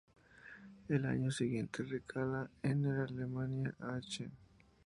Al año siguiente recala en el Alemannia Aachen.